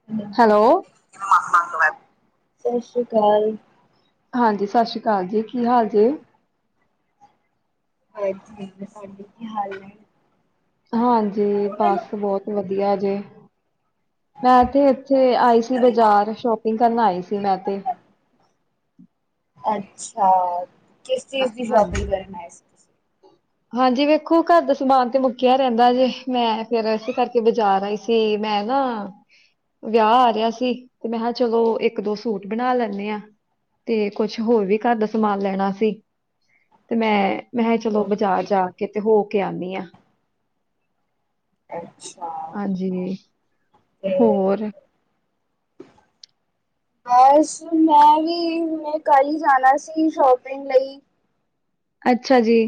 ਹੂੰ। ਹੈਲੋ! ਸਤ ਸ੍ਰੀ ਅਕਾਲ। ਹਾਂਜੀ, ਸਤਿ ਸ਼੍ਰੀ ਅਕਾਲ ਜੀ, ਕੀ ਹਾਲ ਜੇ? ਹਾਂਜੀ, ਤੁਸਾਂ ਦੇ ਕੀ ਹਾਲ ਨੇਂ? ਹਾਂਜੀ, ਬਸ ਬਹਤ ਵਧੀਆ ਜੇ। ਮੈਂ ਤੇ ਏਥੇ ਆਈ ਸੀ ਬਾਜ਼ਾਰ, ਸ਼ੋਪਿੰਗ ਕਰਨ ਆਈ ਸੀ ਮੈਂ ਤੇ। ਅੱਛਾ! ਕਿਸ ਅ ਚੀਜ਼ ਦੀ ਸ਼ੋਪਿੰਗ ਹਾਂਜੀ ਕਰਨਾ ਆਏ ਸੀ? ਤੁਸੀਂ? ਹਾਂਜੀ, ਵੇਖੋ ਘਰ ਦਾ ਸਮਾਨ ਤੇ ਮੁੱਕਿਆ ਰਹਿੰਦਾ ਜੇ, ਮੈਂ ਫੇਰ ਏਸ ਕਰਕੇ ਬਾਜ਼ਾਰ ਆਈ ਸੀ। ਸੀ ਮੈਂ ਨਾ ਵਿਆਹ ਆ ਰਿਹਾ ਸੀ ਤੇ, ਮੈਂ ਹਾ ਚਲੋ ਇਕ -ਦੋ ਸੂਟ ਬਨਾ ਲੈਂਨੇ ਆ। ਤੇ ਕੁਛ ਹੋਰ ਵੀ ਘਰ ਦਾ ਸਮਾਨ ਲੈਨਾ ਸੀ ਤੇ ਮੈਂ ਮੈਂ ਹਾ ਚਲੋ ਬਾਜ਼ਾਰ ਓਕੇ, ਜਾ ਕੇ ਤੇ ਹੋ ਕੇ ਆਨੀ ਆ। ਅੱਛਾ! ਹਾਂਜੀ ਤੇ ਹੋਰ [inaudible] ਬਸ ਮੈਂ ਵੀ ਕਲ ਜਾਨਾ ਸੀ, ਸ਼ੋਪਿੰਗ ਲਈ। ਅੱਛਾ ਜੀ।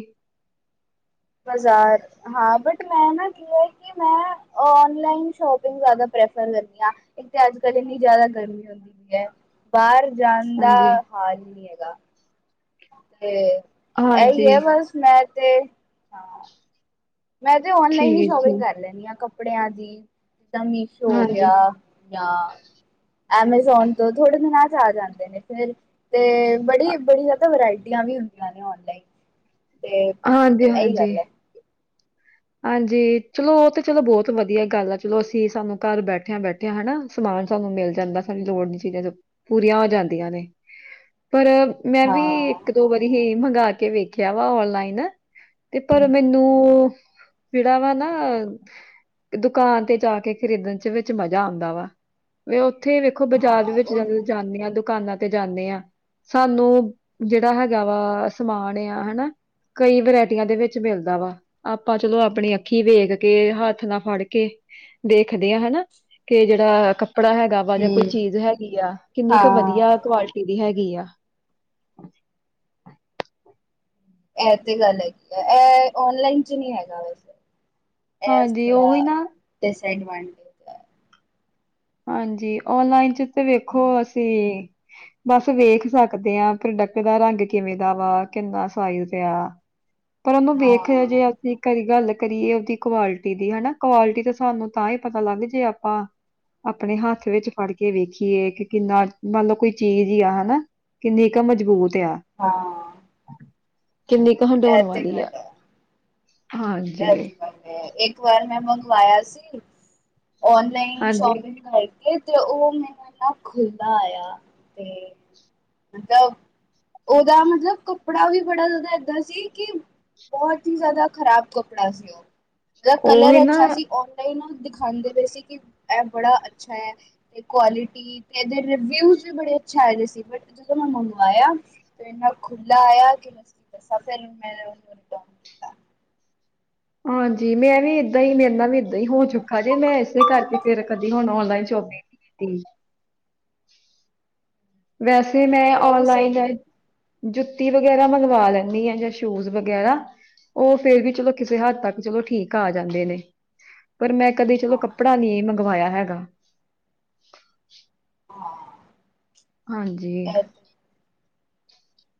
ਬਾਜ਼ਾਰ। ਹਾਂ, ਬਟ ਮੈਂ ਨਾ ਕਿਹਾ ਆ ਕਿ ਮੈਂ ਓਨਲਾਈਨ ਸੋ਼ਪਿੰਗ ਜਾਦਾ ਪ੍ਰੈਫਰ ਕਰਦੀ ਆ। ਇੱਕ ਤਾਂ ਅੱਜ- ਕੱਲ ਇੰਨੀ ਜ਼ਿਆਦਾ ਗਰਮੀ ਹੁੰਦੀ ਪਈ ਐ, ਬਾਹਰ ਜਾਣ ਦਾ ਹਾਂਜੀ ਹਾਲ ਹੀ ਨਹੀਂ ਹੈਗਾ। ਤੇ ਏਹੀ ਹੈ ਹਾਂਜੀ ਬਸ ਮੈਂ ਤੇ ਹਾਂ ਮੈਂ ਤੇ ਔਨਲਾਈਨ ਠੀਕ ਹੀ ਹੈ ਸ਼ੋਪਿੰਗ ਜੀ, ਕਰ ਲੈਨੀ ਆ ਕੱਪੜਿਆਂ ਦੀ, ਜਿੱਦਾਂ ਮੀਸ਼ੋ ਹੋ ਹਾਂਜੀ, ਗਿਆ। ਯਾ ਐਮਾਜ਼ੋਨ ਤੋਂ ਥੋੜੇ ਦਿਨਾਂ ਆ ਚ ਆ ਜਾਂਦੇ ਨੇ ਫੇਰ ਤੇ ਅ ਬੜੀ-ਬੜੀ ਜਾਦਾ ਵਰਾਇਟੀਆਂ ਵੀ ਹੁੰਦੀਆਂ ਨੇ ਅੋੰੰਨਲਾਈਨ। ਤੇ, ਹਾਂਜੀ-ਹਾਂਜੀ, ਏਈ ਹਾਂਜੀ ਗੱਲ ਐ। ਹਾਂਜੀ, ਚਲੋ ਉਤੇ ਚਲੋ ਬੋਤ ਵਧੀਆ ਗੱਲ ਆ ਚਲੋ ਅਸੀਂ ਸਾਨੂੰ ਘਰ ਬੈਠਿਆਂ ਬੈਠੇ ਤੇ ਹਨਾਂ ਸਮਾਨ ਸਾਨੂੰ ਮਿਲ ਜਾਂਦਾ ਸਾਨੂੰ ਲੋੜ ਦੀ ਚੀਜ਼ਾ ਚੂ ਪੂਰੀਆਂ ਹੋ ਜਾਂਦੀਆਂ ਨੇ। ਪਰ ਮੈਂ ਵੀ ਹਾਂ ਇੱਕ, ਦੋ ਵਾਰੀ ਹੀ ਮੰਗਾ ਕੇ ਵੇਖਿਆ ਵਾ ਅੋੰੰਨਲਾਈਨ। ਤੇ ਪਰ ਮੈਨੂੰ ਜੇੜਾ ਵਾ ਨਾ ਦੁਕਾਨ ਤੇ ਜਾਕੇ ਖਰੀਦਨ ਵਿੱਚ ਮਜਾ ਆਂਦਾ ਵਾ। ਵੀ ਉੱਥੇ ਵੇਖੋ ਬਾਜ਼ਾਰ ਹਾਂ ਵਿੱਚ ਉਹ ਜਾਨੇ ਆ, ਦੁਕਾਨਾਂ ਤੇ ਜਾਨੇ ਆ। ਸਾਨੂੰ ਜੇਹੜਾ ਹੈਗਾ ਵਾ ਸਮਾਨ ਆ ਹਨਾ ਕਈ ਵਰਾਇਟੀਆਂ ਦੇ ਵਿੱਚ ਮਿਲਦਾ ਵਾ। ਆਪਾਂ ਚਲੋ ਆਪਨੀ ਅੱਖੀਂ ਵੇਖਕੇ ਹੱਥ ਨਾ ਫਾੜਕੇ ਦੇਖਦੇ ਆ ਹਨਾਂ, ਕੇ ਜੇੜਾ ਕੱਪੜਾ ਹੈਗਾ ਵਾ ਜਾਂ ਕੋਈ ਹਮ ਚੀਜ਼ ਹੈਗੀ ਆ ਕਿੰਨੀ ਕ ਹਾਂ ਵਧੀਆ ਕੁਆਲਿਟੀ ਦੀ ਹੈਗੀ ਆ। ਐ ਤੇ ਗੱਲ ਹੈਗੀ ਆ, ਐ ਔਨਲਾਈਨ ਚ ਨੀ ਹੈਗਾ ਵੈਸੇ। ਏਹ ਹਾਂਜੀ ਉਹੀ ਥੋੜ੍ਹਾ ਨਾ ਡਿਸਐਡ [unintelligible] ਹਾਂਜੀ, ਅੋੰੰਨਲਾਈਨ ਚ ਤੇ ਵੇਖੋ ਅਸੀਂ ਬਸ ਵੇਖ ਸਕਦੇ ਆ ਪ੍ਰੋਡਕਟ ਦਾ ਰੰਗ ਕਿਵੇਂ ਦਾ ਵਾ ਕਿੰਨਾ ਸਾਈਜ਼ ਆ। ਪਰ ਉਹਨੂੰ ਵੇਖੋ ਹਾਂ ਜੇ ਅਸੀਂ ਕਈ ਗੱਲ ਕਰੀਏ ਉਹਦੀ ਕੁਆਲਿਟੀ ਦੀ ਹਨਾ, ਕੁਆਲਿਟੀ ਤਾਂ ਸਾਨੂੰ ਤਾਂ ਹੀ ਪਤਾ ਲੱਗ ਜੇ ਆਪਾਂ ਅਪਨੇ ਹੱਥ ਵਿੱਚ ਫੜ ਕੇ ਵੇਖੀਏ ਕਿ ਕਿੰਨਾ ਮਨਲੋ ਕੋਈ ਚੀਜ਼ ਹੀ ਆ ਹਨਾਂ। ਕਿੰਨੀ ਕਾ ਮਜ਼ਬੂਤ ਆ। ਹਾਂ। ਕਿੰਨੀ ਕ ਹੰਡਉਨ ਇਹ ਤੇ ਵਾਲੀ ਗੱਲ ਆ, ਹੈ, ਇਹ ਹਾਂਜੀ। ਤੇ ਇੱਕ ਵਾਰ ਮੈਂ ਮਗਵਾਇਆ ਸੀ, ਔਨਲਾਈਨ ਹਾਂਜੀ ਸ਼ੋਪਿੰਗ ਕ ਤੇ ਉਹ ਮੈਨੂੰ ਇਨਾ ਖੁੱਲਾ ਆਯਾ ਤੇ [unintelligible] ਉਹਦਾ ਮਤਲਬ ਕੱਪੜਾ ਵੀ ਬੜਾ ਜਾਦਾ ਏਦਾਂ ਸੀ, ਕਿ ਬੋਹਤ ਹੀ ਜਾਦਾ ਖ਼ਰਾਬ ਕੱਪੜਾ ਸੀ ਓ, ਓਦਾ ਉਹੀ ਕਲਰ ਨਾ ਅੱਛਾ ਸੀ ਔ ਤਾਂਈ ਨਾ ਦਿਖਾਦੇ ਪਏ ਸੀ, ਕਿ ਏ ਬੜਾ ਅੱਛਾ ਐ। ਤੇ ਕੁਆਲਿਟੀ ਤੇ ਏਦੇ ਰਿਵਿਊਜ ਵੀ ਬੜੇ ਆਛੇ ਆਏ ਦੇ ਸੀ, ਬੱਟ ਜਦੋਂ ਮੈਂ ਮੰਗਵਾਇਆ ਤੇ ਇੰਨਾ ਖੁੱਲਾ ਆਇਆ, ਕਿ [unintelligible] ਹਾਂਜੀ, ਮੈਂ ਵੀ ਏਦਾਂ ਹੀ ਮੇਰੇ ਨਾਲ ਵੀ ਏਦਾਂ ਹੀ ਹੋ ਚੁੱਕਾ ਜੇ, ਮੈਂ ਏਸੇ ਕਰਕੇ ਫੇਰ ਕਦੀ ਹੁਨ ਔਨਲਾਈਨ ਸ਼ੋਪਿੰਗ ਤੀ। ਵੈਸੇ ਮੈਂ ਇਹ ਵੀ ਸਹੀ ਔਨਲਾਈਨ ਜੁੱਤੀ ਵਗੈਰਾ ਮੰਗਵਾ ਲੈਨੀ ਆ ਯਾ ਸ਼ੂਜ ਵਗੈਰਾ। ਓ ਫੇਰ ਵੀ ਚਲੋ ਕਿਸੇ ਹੱਦ ਤੱਕ ਚਲੋ ਠੀਕ ਆ ਜਾਂਦੇ ਨੇ। ਪਰ ਮੈਂ ਕਦੇ ਚਲੋ ਹਾਂ ਕੱਪੜਾ ਨੀ ਮੰਗਵਾਇਆ ਹੈਗਾ। ਹਾਂ। ਹਾਂਜੀ।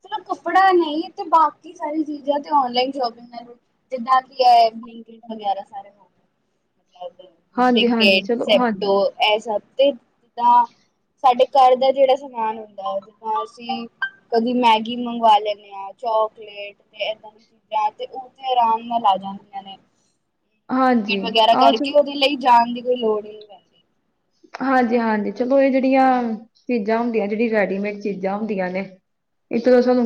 ਚਲੋ ਕੱਪੜਾ ਨੀ ਤੇ ਬਾਕੀ ਸਾਰੀ ਚੀਜ਼ਾਂ ਤੇ ਔਨਲਾਈਨ ਸ਼ੋਪਿੰਗ ਨਾਲ ਜਿੰਨਾ ਵੀ ਐ ਬਲਿੰਗ ਇਸ ਵਗੈਰਾ ਸਾਰੇ ਹੋਗੇ [unintelligible] ਹਾਂਜੀ ਬਲਿੰਗ ਹਾਂਜੀ ਇਤ, ਚਲੋ ਹਾਂਜੀ ਸੈਪਟੋ ਐ ਸਭ ਤੇ ਜਿੱਦਾਂ ਸਾਡੇ ਘਰ ਦਾ ਜੇੜਾ ਸਮਾਨ ਹੁੰਦਾ ਜਿੱਦਾਂ ਅਸੀਂ ਕਦੀ ਮੈਗੀ ਮੰਗਵਾ ਲੈਨੇ ਆ ਚੋਕਲੇਟ ਤੇ ਏਦਾ ਦੀ ਚੀਜਾਂ ਤੇ ਉਹ ਤੇ ਆਰਾਮ ਨਾਲ ਆ ਜਾਂਦੀਆਂ ਨੇ। ਹਾਂਜੀ ਮਿਟਿਗ ਵਗੈਰਾ ਆਹ ਕਰਕੇ ਚਲ ਉਹਦੇ ਲਈ ਜਾਣ ਦੀ ਕੋਈ ਲੋੜ ਹੀ ਨੀ ਪੈਂਦੀ। ਹਾਂਜੀ-ਹਾਂਜੀ, ਚਲੋ ਇਹ ਜਿਹੜੀਆਂ ਚੀਜ਼ਾਂ ਹੁੰਦੀਆਂ ਜਿਹੜੀ ਰੈਡੀਮੇਡ ਚੀਜ਼ਾਂ ਹੁੰਦੀਆਂ ਨੇ ਇਸ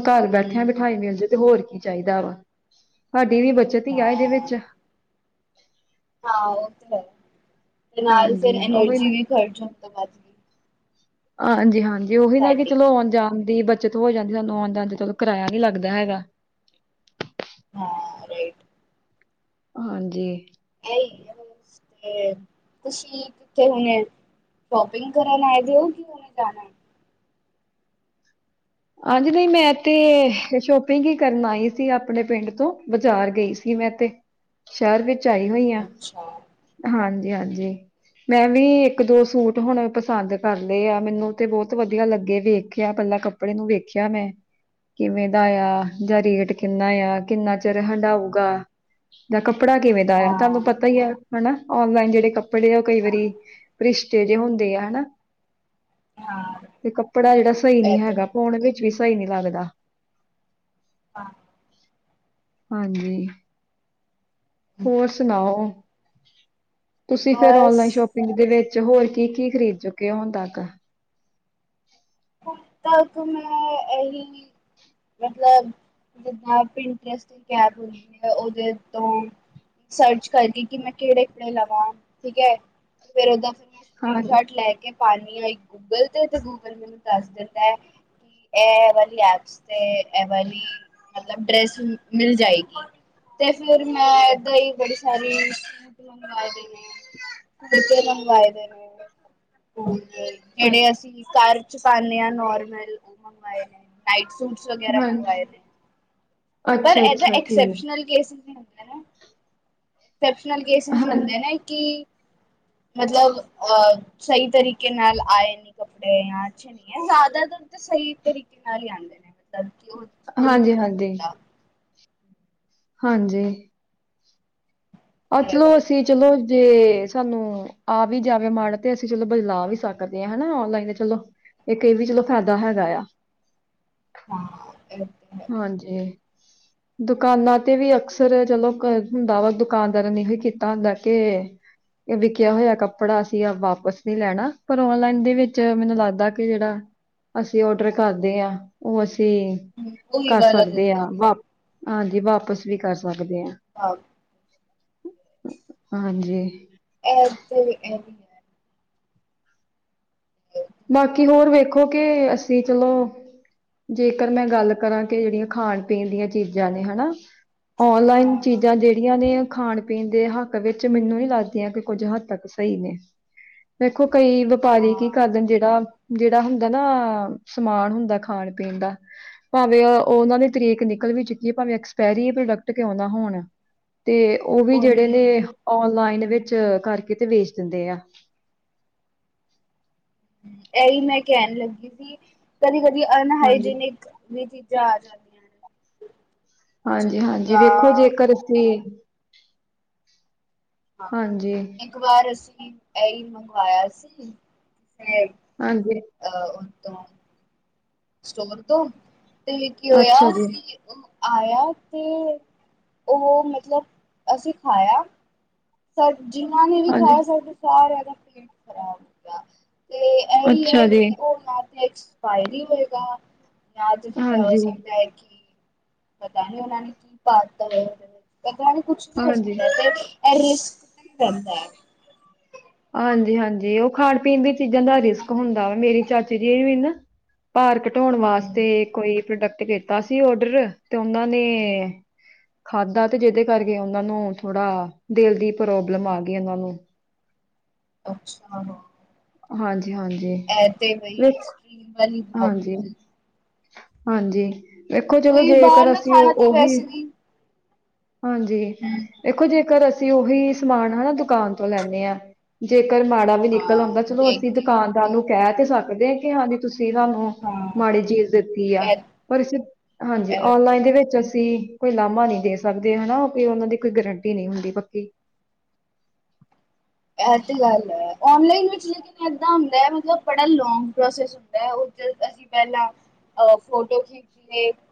ਘਰ ਹਮ ਬੈਠਿਆਂ-ਬਿਠਾਏ ਮਿਲ ਜਾਏ ਤੇ ਹੋਰ ਕੀ ਚਾਹੀਦਾ ਵਾ, ਸਾਡੀ ਵੀ ਬੱਚਤ ਹੀ ਆ ਇਹਦੇ ਹਾਂ ਵਿੱਚ। ਹਾਂ, ਉਹ ਤੇ ਹੈ ਤੇ ਨਾਲ ਫਿਰ ਹਾਂਜੀ ਐਨਰਜੀ ਵੀ ਖਰਚ ਹੋ ਤੋਂ ਬਾਦ ਹਾਂਜੀ-ਹਾਂਜੀ, ਉਹੀ ਨਾ ਕਿ ਸਾਡੀ ਚਲੋ ਆਉਣ-ਜਾਣ ਦੀ ਬੱਚਤ ਹੋ ਜਾਂਦੀ ਸਾਨੂੰ ਆਉਂ-ਜਉਨ ਦਾ ਕਿਰਾਆ ਨੀ ਲੱਗਦਾ ਹੈਗਾ। ਹਾਂ, ਰਾਈਟ। ਹਾਂਜੀ। ਇਹੀ ਹੈ ਬਸ ਤੇ ਤੁਸੀ ਕਿੱਥੇ ਹੋਣੇ ਆ? ਸ਼ੌਪਿੰਗ ਕਰਨ ਆਏ ਦੇਉ ਕਿ ਉਨੇ ਜਾਣਾ। ਹਾਂਜੀ, ਨਹੀਂ ਮੈਂ ਤੇ ਸ਼ੋਪਿੰਗ ਹੀ ਕਰਨ ਆਈ ਸੀ ਆਪਣੇ ਪਿੰਡ ਤੋਂ ਬਾਜ਼ਾਰ ਗਈ ਸੀ। ਕਿ ਮੈਂ ਤੇ ਸ਼ਹਿਰ ਵਿੱਚ ਆਈ ਹੋਈ ਹਾਂ, ਅੱਛਾ ਹਾਂਜੀ-ਹਾਂਜੀ। ਮੈਂ ਵੀ ਇੱਕ-ਦੋ ਸੂਟ ਹੁਣ ਪਸੰਦ ਕਰ ਲਏ ਆ ਮੈਨੂੰ ਤੇ ਬਹੁਤ ਵਧੀਆ ਲੱਗੇ ਵੇਖਿਆ ਪਹਿਲਾਂ ਕੱਪੜ ਕੱਪੜੇ ਨੂੰ ਵੇਖਿਆ ਮੈਂ ਕਿਵੇਂ ਦਾ ਆ ਜਾਂ ਰੇਟ ਕਿੰਨਾ ਆ ਕਿੰਨਾ ਚਿਰ ਹੰਢਾਊਗਾ। ਉਦਾ ਕੱਪੜਾ ਕਿਵੇਂ ਦਾ ਆਯਾ, ਤੁਹਾਨੂੰ ਹਾਂ ਪਤਾ ਹੀ ਹੈ ਹਨਾ ਔਨਲਾਈਨ ਜਿਹੜੇ ਕੱਪ ਕੱਪੜੇ ਉਹ ਕਈ ਹਾਂ ਵਾਰੀ ਪਲਿਸ਼ਰ ਜਿਹੇ ਹੁੰਦੇ ਆ ਹਨਾ। ਹਾਂ ਤੇ ਕੱਪੜਾ ਜਿਹੜਾ ਸਹੀ ਨਹੀਂ ਇਹ ਤੇ ਹੈਗਾ ਗੱਲ ਪਾਉਣ ਵਿੱਚ ਵੀ ਸਹੀ ਨਹੀਂੀ ਲੱਗਦਾ। ਆ। ਹਾਂਜੀ, ਹੋਰ ਸੁਣਾਓ। ਤੁਸੀਂ ਫਿਰ ਬਸ ਔਨਲਾਈਨ ਸ਼ੋਪਿੰਗ ਦੇ ਵਿੱਚ ਹੋਰ ਕੀ-ਕੀ ਖਰੀਦ ਚੁੱਕੇ ਹੋ ਹੁਣ ਤੱਕ ਹੁਣ ਤੱਕ ਮੈਂ ਇਹੀ ਮਤਲਬ ਜਿੱਦਾਂ ਪਿੰਟਰਸ ਐਪ ਹੁੰਦੀ ਹੈ ਉਹਦੇ ਤੋਂ ਸਰਚ ਕਰਕੇ ਕਿ ਮੈਂ ਕਿਹੜੇ ਕਪੜੇ ਲਵਾਂ ਠੀਕ ਹੈ ਤੇ ਫੇਿਰ ਓਦਾਂ ਫਿਰ ਸਕ੍ਰਰੀਨ ਹਾਂਜੀ, ਸ਼ਾਟ ਲੈ ਕੇ ਪਾਨੀ ਆ, ਇਕ ਗੂਗਲ ਤੇ ਤੇ ਗੂਗਲ ਮੈਨੂੰ ਦੱਸ ਦਿੱਤਾ ਹੈ। ਏ ਵਾਲ ਐਸ ਤੇ ਏ ਵਾਲੀ ਮਤਲਬ ਡ੍ਰੈਸ ਮਿਲ ਜਾਏਗੀ। ਤੇ ਫਿਰ ਮੈਂ ਏਦਾਂ ਹੀ ਬੜੀ ਸਾਰੀ ਬੋਤਲਾ ਮੰਗਵਾਏ ਦੀ ਮੈ। ਕੁਰਤੇ ਮਗਵਾਏ ਦੇ ਨੇ। ਅੱ ਜਿਹੜੇ ਅਸੀਂ ਘਰ ਚ ਪਾਦੇ ਹ ਨੋਰਮਲ ਉਹ ਮੰਗਵਾਏ ਨੇ। [unintelligible] ਵਗੈਰਾ ਹਾਂਜੀ, ਮੰਗਵਾਏ ਨੇ। ਪਰ ਇਹਦਾ ਅੱਛਾ-ਅੱਛਾ ਠੀਕ, ਐਕਸੈਪਸ਼ਨਲ ਕੇਸ ਨੀ ਐਸੈਪਸ਼ਨਲ ਕੇਸਿਸ ਹਾਂ, ਹੀ ਹੁੰਦੇ ਹਾਂਜੀ। ਨੇ ਕਿ ਮਤਲਬ ਅਹ ਸਹੀ ਤਰੀਕੇ ਨਾਲ ਆਏ ਨੇ ਕੱਪੜੇ ਜਾਂ ਜ਼ਿਆਦਾਤਰ ਤੇ ਸਹੀ ਤਰੀਕੇ ਨਾਲ ਹੀ ਆਉਂਦੇ ਨੇ ਮਤਲਬ ਕਿ ਉਹ ਕੋਈ ਉਹ ਨ ਹਾਂਜੀ-ਹਾਂਜੀ, ਹੁੰਦਾ। ਹਾਂਜੀ। ਆਹ ਇਹ ਚਲੋ ਗੱਲ ਅਸੀਂ ਚਲੋ, ਜੇ ਸਾਨੂੰ ਆ ਵੀ ਜਾਵੇ ਮਾੜਾ ਤੇ ਅਸੀਂ ਚਲੋ ਲਾ ਸਕਦੇ ਹਾਂ ਹਨਾ ਔਨਲਾਈਨ ਤੇ ਚਲੋ ਇਹ ਕਈ ਵੀ ਚਲੋ ਫਾਇਦਾ ਹੈਗਾ ਆ। ਹਾਂ। ਹੈ ਹਾਂਜੀ, ਦੁਕਾਨਾਂ ਤੇ ਵੀ ਅਕਸਰ ਚਲੋ ਹੁੰਦਾ ਵਾ ਦੁ ਦੁਕਾਨਦਾਰ ਨੇ ਇਹੋ ਕੀਤਾ ਹੁੰਦਾ ਕੇ ਇਹ ਵਿਕਿਆ ਹੋਇਆ ਕੱਪੜਾ ਅਸੀ ਵਾਪਸ ਨੀ ਲੈਣਾ ਪਰ ਔਨਲਾਈਨ ਦੇ ਵਿੱਚ ਮੈਨੂੰ ਲੱਗਦਾ ਕਿ ਜਿਹੜਾ ਅਸੀਂ ਔਡਰ ਕਰਦੇ ਹਾਂ ਉਹ ਅਸੀਂ ਹੂੰ ਉਹੀ ਕਰ ਵਾਲਾ ਸਕਦੇ ਦਿਨ ਆ ਵਾਪ ਹਾਂਜੀ, ਵਾਪਸ ਵੀ ਕਰ ਸਕਦੇ ਆ। ਹਾਂ- ਹਾਂਜੀ- ਐਦ ਐ- ਬਾਕੀ ਹੋਰ ਵੇਖੋ ਕਿ ਅਸੀਂ ਚਲੋ- ਜੇਕਰ ਮੈਂ ਗੱਲ ਕਰਾਂ ਕਿ ਜਿਹੜੀਆਂ ਖਾਣ ਪੀਣ ਦੀਆਂ ਚੀਜ਼ਾਂ ਨੇ ਹੈਨਾ- ਔਨਲਾਈਨ ਹਾਂ ਚੀਜ਼ਾਂ ਜਿਹੜੀਆਂ ਨੇ, ਖਾਣ- ਪੀਣ ਦੇ ਹੱਕ ਵਿੱਚ ਮੈਨੂੰ ਨੀ ਲੱਗਦੀਆਂ, ਕਿ ਕੁੱਝ ਹੱਦ ਤੱਕ ਸਹੀ ਨੇ, ਦੇੇਖੋ ਕਈ- ਵਆਪਾਰੀ ਕੀ ਹਾਂ ਕਰਦੇ ਜਿਹੜਾ ਜਿਹੜਾ ਹੁੰਦਾ ਨਾ ਸਮਾਨ ਹੁੰਦਾ ਖਾਣ ਪੀਣ ਦਾ- ਭਾਵੇਂ ਉਹਨਾਂ ਦੀ ਤਰੀਕ ਨਿਕਲ ਵੀ ਚੁੱਕੀ ਹੈ, ਭਾਵੇਂ ਐਕਸਪਾਇਰੀ ਪ੍ਰੋਡਕਟ ਕਿਉਂ ਨਾ ਹੋਣ- ਤੇ ਉਹ ਵੀ ਜਿਹੜੇ ਉਹੀ ਨੇ ਔਨਲਾਈਨ ਵਿੱਚ ਕਰਕੇ ਤੇ ਵੇਚ ਦਿੰਦੇ ਆ- ਇਹੀ ਮੈਂ ਕਹਿਣ ਲੱਗੀ ਸੀ, ਕਦੀ ਕਦੀ ਹਾਂਜੀ ਅਨਹਾਈਜੀਨਿਕ ਵੀ ਚੀਜ਼ਾਂ ਆ ਜਾਦੀ- ਹਾਂਜੀ ਹਾਂਜੀ ਵੇਖੋ ਜਿੱਦਾਂ ਜੇਕਰ ਉਸਨੇ ਹਾਂ, ਹਾਂਜੀ ਇੱਕ ਵਾਰ ਅਸੀਂ ਇਹੀ ਮੰਗਵਾਇਆ ਸੀ, ਤੇ ਹਾਂਜੀ- ਅਹ ਉ ਤੋਂ- ਸਟੋਰ ਤੋਂ, ਤੇ ਕੀ ਹੋਇਆ ਅੱਛਾ ਜੀ ਕਿ- ਉਹ ਆਇਆ ਤੇ, ਉਹ ਮਤਲਬ ਅਸੀਂ ਖਾਇਆ- ਸਰ ਜਿਾਂਨਾਨੇ ਵੀ ਹਾਂਜੀ ਖਾਇਆ, ਸਾਰਿਆਂ ਦਾ ਪੇਟ ਖ਼ਰਾਬ ਹੋ ਗਿਆ ਤੇ- ਏਹੀ ਅੱਛਾ ਹੈ ਜੀ ਕਿ ਉਹ ਜਾ ਤੇ ਐਕਸਪਾਇਰੀ ਹੋਏਗਾ- ਜਾ ਤੇ ਫਿਰ ਏ ਹੋ ਹਾਂਜੀ ਸਕਦਾ ਹੈ ਕਿ, ਪਤਾ ਨਹੀਂ ਉਹਨਾਂ ਨੇ ਕੀ ਪਾ ਦਿੱਤਾ ਹੋਵੇ ਔਦੇ ਵਿਚ ਤੇ ਕਹਿਣ ਕੁਛ ਵੀ ਹੋ ਹਾਂਜੀ ਸਕਦਾ ਤੇ ਇਹ ਰਿਸ੍ਕ ਰਹਿੰਦਾ ਹੈ- ਹਾਂਜੀ ਹਾਂਜੀ ਉਹ ਖਾਣ ਪੀਣ ਦੀ ਚੀਜ਼ਾਂ ਦਾ ਰਿਸਕ ਹੁੰਦਾ ਵਾ, ਮੇਰੀ ਚਾਚੇ ਜੀ ਵੀ ਨਾ- ਭਾਰ ਘਟਾਉਣ ਹੂੰ ਵਾਸਤੇ ਕੋਈ ਪ੍ਰੋਡਕਟ ਕੀਤਾ ਸੀ ਔਡਰ, ਤੇ ਉਹਨਾਂ ਨੇ- ਖਾਧਾ ਤੇ ਜਿਹਦੇ ਕਰਕੇ ਉਹਨਾਂ ਨੂੰ ਥੋੜਾ, ਦਿਲ ਦੀ ਪ੍ਰੋਬਲਮ ਆ ਗਈ ਉਹਨਾਂ ਨੂੰ- ਅੱਛਾ- ਹਾਂਜੀ ਹਾਂਜੀ ਇਹ ਤੇ ਬਈ ਐਕਸਟ੍ਰੀਮ ਵਾਲੀ ਪ੍ਰੋਬਲਮ ਹਾਂਜੀ- ਹਾਂਜੀ ਵੇਖੋ ਚਲੋ ਕੋਈ ਬਾਹਰ ਜੇਕਰ ਦਾ ਅਸੀਂ ਖਾਣਾ ਉਹ ਤੇ ਉਹੀ- ਵੈਸੇ ਵੀ ਹਾਂਜੀ- ਦੇਖੋ ਜੇਕਰ ਅਸੀਂ ਉਹੀ ਸਮਾਨ ਹਨਾ ਦੁਕਾਨ ਤੋਂ ਲੈਂਦੇ ਹਾਂ, ਜੇਕਰ ਮਾੜਾ- ਵੀ ਨਿਕਲ ਹਾਂ ਆਉਂਦਾ, ਚਲੋ ਦੇਖ ਅਸੀਂ ਕੇ ਦੁਕਾਨਦਾਰ ਨੂੰ ਕਹਿ ਤੇ ਸਕਦੇ ਹਾਂ ਕਿ ਹਾਂਜੀ ਤੁਸੀਂ ਸਾਨੂੰ- ਉਹ ਹਾਂ ਮਾੜੀ ਚੀਜ਼ ਦਿੱਤੀ ਆ- ਇਹ ਰ ਇਸ ਹਾਂਜੀ, ਇਹ ਵੀ ਔਨਲਾਈਨ ਦੇ ਵਿੱਚ ਅਸੀਂ ਕੋਈ ਲਾਮਾ ਨਹੀਂ ਦੇ- ਸਕਦੇ ਹਨਾ, ਔ ਕਈ ਵਾਰ ਉਹਨਾਂ ਦੀ ਕੋਈ ਗਰੰਟੀ ਨਹੀਂ ਹੁੰਦੀ ਪੱਕੀ- ਇਹ ਤੇ ਗੱਲ ਹੈ, ਔਨਲਾਈਨ ਵਿੱਚ- ਏਦਾਂ ਹੁੰਦਾ ਹੈ ਮਤਲਬ ਬੜਾ ਲੋਂਂਗ ਪ੍ਰੋਸੈਸ ਹੁੰਦਾ ਹੈ, ਉ ਜ ਅਸੀਂ ਪਹਿਲਾਂ- ਫੋਟੋ ਖੀ-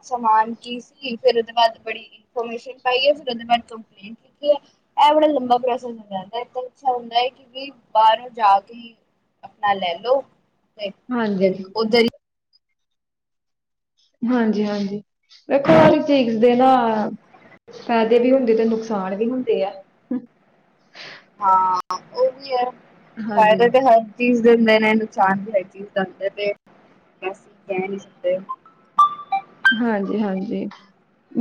ਸਮਾਨ ਕੀ ਸੀ ਫਿਰ ਉਹਦੇ ਬਾਅਦ ਬੜੀ ਇਨਫੋਰਮੇਸ਼ਨ ਪਾਈ ਐ, ਫਿਰ ਉਹਦੇ ਬਾਅਦ ਕੰਪਲੇਂ- ਕਿ ਕਿ ਹੈ ਇਹ ਬੜਾ ਲੰਬਾ ਪ੍ਰੋਸੈਸ ਹੁੰਦਾ, ਹੈ ਨਾ ਆਜ ਕੱਲ ਅੱਛਾ ਹੁੰਦਾ ਹੈ ਕਿਸਕ ਬਾਹਰੋਂ ਜਾ ਕੇ ਹੀ, ਆਪਣਾ ਲੈ ਲਓ- ਤੇ ਹਾਂਜੀ ਫਿਰ ਉੱਧਰ ਹੀ- ਹਾਂਜੀ ਹਾਂਜੀ, ਦੇਖੋ ਹਰ ਇੱਕ ਚੀਜ਼ ਦੇ ਨਾ- ਫਾਇਦੇ ਵੀ ਹੁੰਦੇ, ਤੇ ਨੁਕਸਾਨ ਵੀ ਹੁੰਦੇ ਆ- ਹਾਂ ਉਹ ਵੀ ਹੈ, ਹਾਂਜੀ ਫਾਇਦੇ ਤੇ ਹੈ- ਚੀਜ਼ ਦਿੰਦੇ ਨੇ ਨੁਕਸਾਨ ਵੀ ਹਰ ਚੀਜ਼ ਦਾ ਹੁੰਦੇ ਤੇ, ਅਸੀ ਕਹ ਨੀ ਸਕਦੇ। ਹਾਂਜੀ-ਹਾਂਜੀ।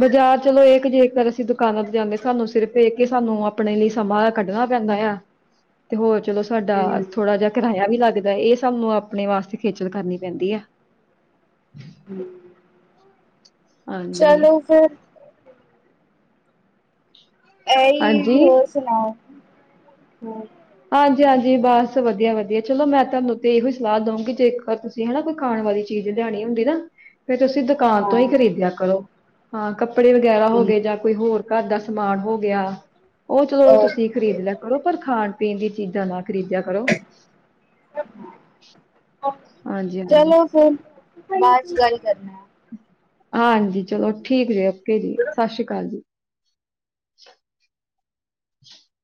ਬਜ਼ਾਰ ਚਲੋ ਏ ਕਿ ਜੇਕਰ ਅਸੀਂ ਦੁਕਾਨਾਂ ਤੇ ਜਾਂਨੇ ਆ, ਸਾਨੂੰ ਸਿਰਫ ਏ ਕੀ ਸਾਨੂੰ ਆਪਣੇ ਲਈ ਸਮਾਂ ਕੱਢਣਾ ਪੈਂਦਾ ਏ ਆ ਤੇ ਹੋਰ ਚਲੋ ਸਾਡਾ ਹਮ ਥੋੜਾ ਜਿਆ ਕਿਰਾਇਆ ਵੀ ਲੱਗਦਾ ਏ, ਏਹ ਸਾਨੂੰ ਆਪਣੇ ਵਾਸਤੇ ਖੇਚਲ ਕਰਨੀ ਪੈਂਦੀ ਐ। ਹੂੰ ਹਾਂਜੀ ਚਲੋ ਫਿਰ ਏਹ ਈ ਹਾਂਜੀ ਹੋਰ ਸੁਣਾਓ? ਹੋਰ ਹਾਂਜੀ-ਹਾਂਜੀ। ਬਸ ਵਦੀਆ-ਵਦੀਆ ਚਲੋ ਮੈਂ ਤੁਆਨੂੰ ਤੇ ਇਹੋ ਈ ਸਲਾਹ ਦਊਂਗੀ ਜੇਕਰ ਤੁਸੀਂ ਜੇ ਹਨਾ ਕੋਈ ਖਾਣ ਵਾਲੀ ਚੀਜ ਲਿਆਣੀ ਹੁੰਦੀ ਨਾ ਫੇਰ ਤੁਸੀਂ ਦੁਕਾਨ ਤੋਂ ਈ ਹਾਂ ਖਰੀਦਿਆ ਕਰੋ, ਹਾਂ ਕੱਪੜੇ ਵਗੈਰਾ ਹੋ ਠੀਕ ਗਏ ਜਾਂ ਕੋਈ ਹੋਰ ਘਰ ਦਾ ਸਮਾਨ ਹੋ ਗਿਆ, ਓ ਚਲੋ ਤੁਸੀਂ ਓਕੇ ਖ਼ਰੀਦ ਲਿਆ ਕਰੋ ਪਰ ਖਾਣ ਪੀਨ ਦੀ ਚੀਜ਼ਾਂ ਨਾ ਖਰੀਦਿਆ ਕਰੋ। ਹਾਂਜੀ [unintelligible] ਹਾਂਜੀ ਚਲੋ ਫਿਰ, ਬਾਦ ਚ ਗੱਲ ਕਰਨੇ ਆ। ਹਾਂਜੀ, ਚਲੋ ਠੀਕ ਜੇ, ਓਕੇ ਜੀ। ਸਸ਼੍ਰੀ ਕਾਲ ਜੀ। [inaudible]